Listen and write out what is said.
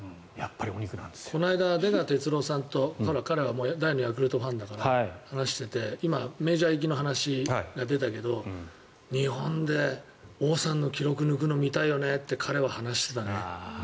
この間、出川哲朗さんと彼は大のヤクルトファンだから話してたんだけど今、メジャー行きの話が出たけど日本で王さんの記録を抜くのを見たいよねって彼は話してたよね。